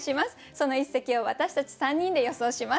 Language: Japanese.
その一席を私たち３人で予想します。